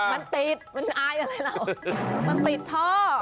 มันติดมันอายอะไรเหรอ